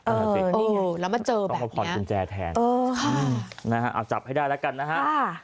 เออนี่ไงต้องก็ผ่อนกุญแจแทนค่ะเอาจับให้ได้แล้วกันนะฮะ